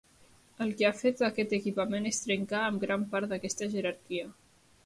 El que ha fet aquest equipament és trencar amb gran part d'aquesta jerarquia.